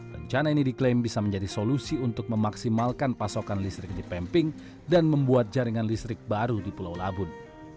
rencana ini diklaim bisa menjadi solusi untuk memaksimalkan pasokan listrik di pemping dan membuat jaringan listrik baru di pulau labun